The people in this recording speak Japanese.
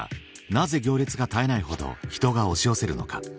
なぜ行列が絶えないほど人が押し寄せるのか？